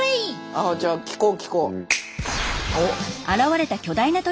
あっじゃあ聞こう聞こう。